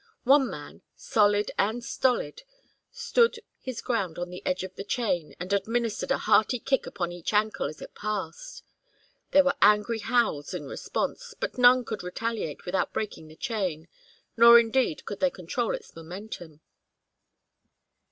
One man, solid and stolid, stood his ground on the edge of the chain and administered a hearty kick upon each ankle as it passed. There were angry howls in response, but none could retaliate without breaking the chain, nor indeed could they control its momentum.